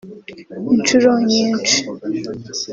inshuro nyinshi